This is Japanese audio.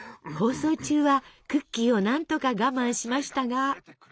放送中はクッキーを何とか我慢しましたが。